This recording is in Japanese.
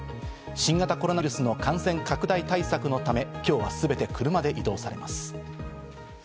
新型コロナウイルスの感染拡大対策のため今日は全て車で移動されます。